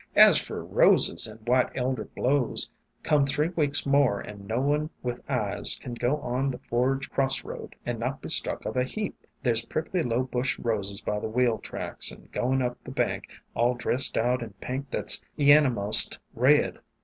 "As fer Roses and White Elder blows, come three weeks more and no one with eyes can go on the forge crossroad and not be struck of a heap. 286 WAYFARERS There 's prickly low bushed Roses by the wheel tracks, and goin' up the bank, all dressed out in pink that 's e'ena'most red.